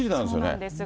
そうなんです。